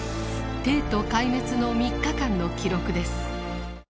帝都壊滅の３日間の記録です。